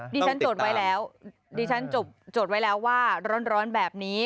เพราะว่าดิฉันจดไว้แล้วว่าร้อนแบบนี้